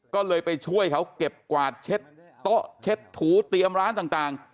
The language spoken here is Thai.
ก็เลยไปช่วยเขาเก็บกวาดเช็ดโต๊ะเช็ดถูเตรียมร้านต่าง